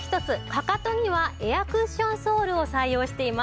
かかとにはエアクッションソールを採用しています。